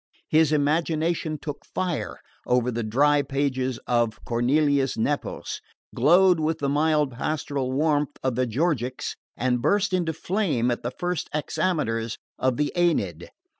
His imagination took fire over the dry pages of Cornelius Nepos, glowed with the mild pastoral warmth of the Georgics and burst into flame at the first hexameters of the Aeneid.